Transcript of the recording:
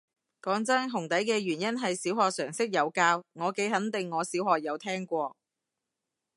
講真，紅底嘅原因係小學常識有教，我幾肯定我小學有聽過